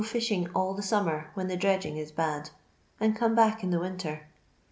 fithin' all the lammer, when the dredgin' it bad, and come back in winter.